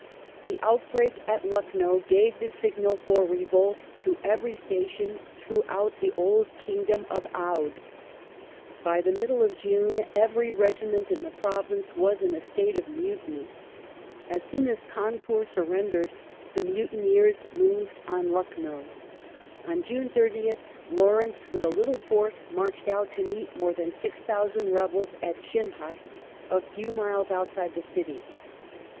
The outbreak at I^ucknow gave the signal for revolt to every station throughout the old kingdom of Oudh. By the 1858] HAVELOCK AND OUTRAM middle of June every regiment in the province was in a state of mutiny. As soon as Cawnpur surrendered, the mutineers moved on Lucknow. On June 30th, Lawrence with a little force marched out to meet more than 6,000 rebels at Chinhut, a few miles outside the city.